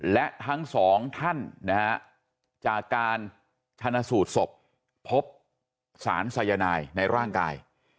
และทั้งสองท่านนะฮะจากการชนะสูตรศพพบสารสายนายในร่างกาย